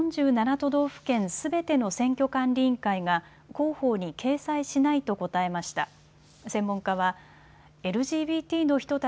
都道府県すべての選挙管理委員会が公報に掲載しないと答えました。